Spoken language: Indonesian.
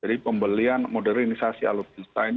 jadi pembelian modernisasi alutsista ini sangat penting